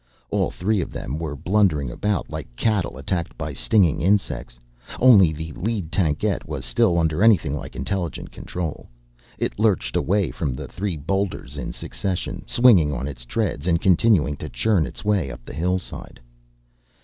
All three of them were blundering about like cattle attacked by stinging insects. Only the lead tankette was still under anything like intelligent control. It lurched away from three boulders in succession, swinging on its treads and continuing to churn its way up the hillside.